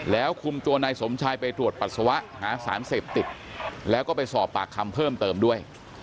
แล้วคุมตัวนายสมชายไปตรวจปัสสาวะหาสารเสพติดแล้วก็ไปสอบปากคำเพิ่มเติมด้วย